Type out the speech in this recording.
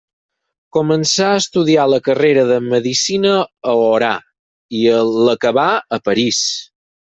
Començà a estudiar la carrera de Medicina a Orà i l'acabà a París.